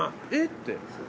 って。